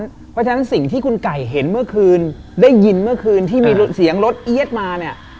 เพราะฉะนั้นสิ่งที่คุณไก่เห็นเมื่อคืนได้ยินเมื่อคืนที่มีเสียงรถเอี๊ยดมาเนี่ย